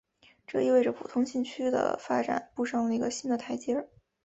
这意味着浦东新区的发展步上了一个新的台阶。